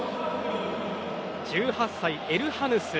１８歳、エルハヌス。